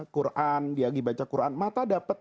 quran dia dibaca quran mata dapat